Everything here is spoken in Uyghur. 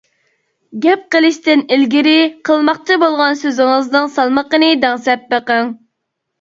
گەپ قىلىشتىن ئىلگىرى قىلماقچى بولغان سۆزىڭىزنىڭ سالمىقىنى دەڭسەپ بېقىڭ.